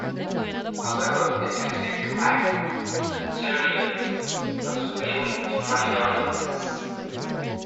However, his music act, The Terriers, was failing to find audiences.